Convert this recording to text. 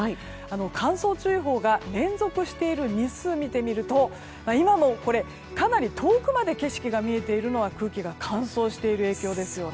乾燥注意報が連続している日数を見てみると今もかなり遠くまで景色が見えているのは空気が乾燥している影響ですよね。